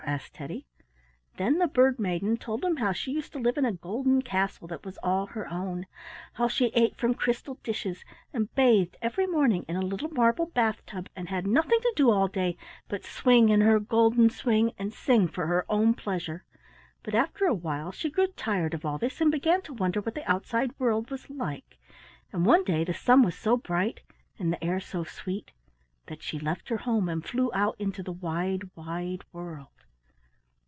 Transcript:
asked Teddy. Then the Bird maiden told him how she used to live in a golden castle that was all her own; how she ate from crystal dishes and bathed every morning in a little marble bath tub, and had nothing to do all day but swing in her golden swing and sing for her own pleasure. But after a while she grew tired of all this and began to wonder what the outside world was like, and one the day the sun was so bright and the air so sweet that she left her home and flew out into the wide, wide world.